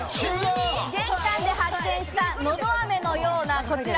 玄関で発見したのど飴のようなこちら。